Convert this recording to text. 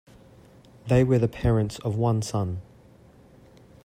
They were the parents of one son.